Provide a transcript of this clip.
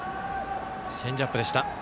チェンジアップでした。